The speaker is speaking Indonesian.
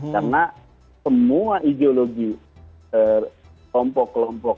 karena semua ideologi kelompok kelompok